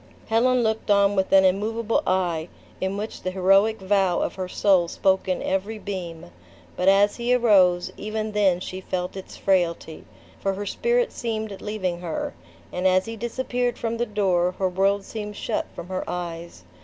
Helen looked on with an immovable eye, in which the heroic vow of her soul spoke in every beam; but as he arose, even then she felt its frailty, for her spirit seemed leaving her; and as he disappeared from the door, her world seemed shut from her eyes.